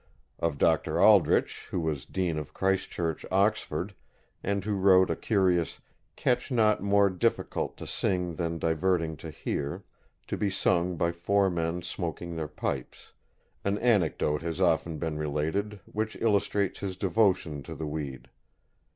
Of Dr. Aldrich, who was Dean of Christ Church, Oxford, and who wrote a curious "Catch not more difficult to sing than diverting to hear, to be sung by four men smoaking their pipes," an anecdote has often been related, which illustrates his devotion to the weed.